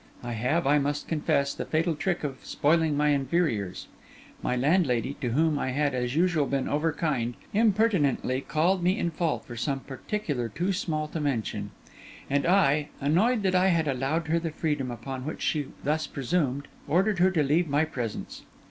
I have, I must confess, the fatal trick of spoiling my inferiors. My landlady, to whom I had as usual been overkind, impertinently called me in fault for some particular too small to mention; and I, annoyed that I had allowed her the freedom upon which she thus presumed, ordered her to leave my presence.